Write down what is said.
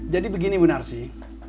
jadi begini bu narsih